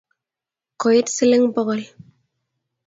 Koit siling pokol